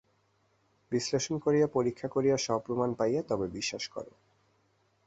বিশ্লেষণ করিয়া পরীক্ষা করিয়া, সব প্রমাণ পাইয়া তবে বিশ্বাস কর।